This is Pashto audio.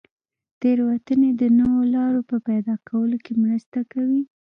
تېروتنې د نویو لارو په پیدا کولو کې مرسته کوي.